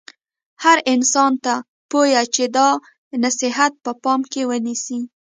هر انسان ته پویه چې دا نصحیت په پام کې ونیسي.